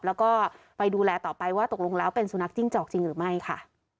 แล้วก็ไปดูแลต่อไปว่าตกลงแล้วเป็นสุนัขจิ้งจอกจริงหรือไม่ค่ะ